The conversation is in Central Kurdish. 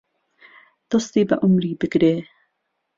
دەستی بە عومری بگرێ